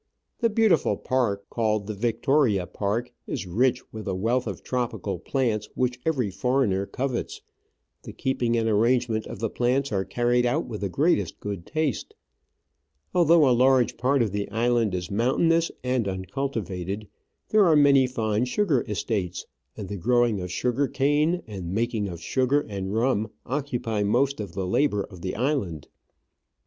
The beautiful park, called the Victoria Park, is rich with a wealth of tropical plants which every foreigner covets ; the keeping and arrangement of the plants are carried out with the greatest good taste. Although a large part of the island is mountainous and uncultivated, there are many fine sugar estates, and the growing of sugar cane and making of sugar and rum occupy most of the labour of the island.